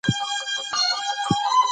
نمک د افغان کلتور په داستانونو کې راځي.